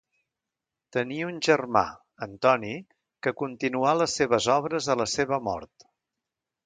Tenia un germà, Antoni, que continuà les seves obres a la seva mort.